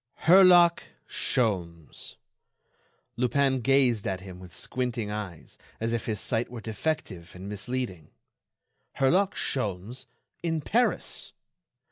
Herlock Sholmes!... Lupin gazed at him with squinting eyes as if his sight were defective and misleading. Herlock Sholmes in Paris!